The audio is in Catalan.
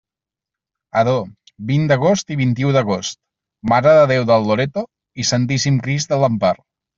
Ador: vint d'agost i vint-i-u d'agost, Mare de Déu del Loreto i Santíssim Crist de l'Empar.